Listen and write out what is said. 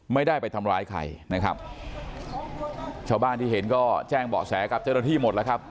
ไม่ได้ไปทำร้ายใครนะครับชาวบ้านที่เห็นก็แจ้งเบาะแสกับเจ้าหน้าที่หมดแล้วครับ